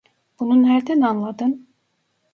Bunu nereden anladın?